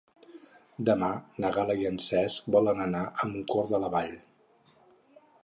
Demà na Gal·la i en Cesc volen anar a Mancor de la Vall.